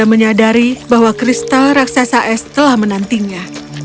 dia menyadari bahwa kristal raksasa es telah menantinya